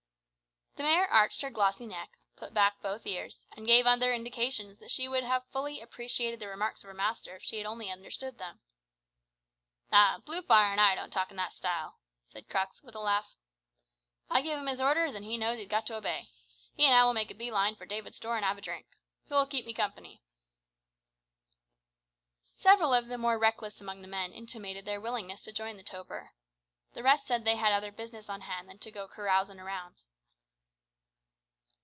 The mare arched her glossy neck, put back both ears, and gave other indications that she would have fully appreciated the remarks of her master if she had only understood them. "Ah! Bluefire and I don't talk in that style," said Crux, with a laugh. "I give him his orders an' he knows that he's got to obey. He and I will make a bee line for David's Store an' have a drink. Who'll keep me company?" Several of the more reckless among the men intimated their willingness to join the toper. The rest said they had other business on hand than to go carousin' around.